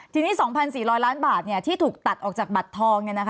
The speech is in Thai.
ทีนี้๒๔๐๐ล้านบาทที่ถูกตัดออกจากบัตรทอง